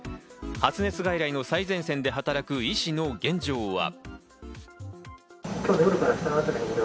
発熱外来の最前線で働く医師の現状は。